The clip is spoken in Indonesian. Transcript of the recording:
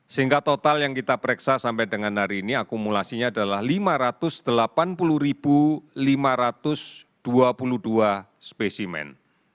sehingga total yang kita pereksa sampai dengan hari ini akumulasinya adalah lima ratus delapan puluh lima ratus dua puluh dua spesimen